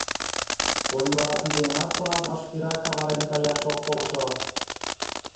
Коли вара тиде эмат тылат вашкерак каварен каяш ок полшо?»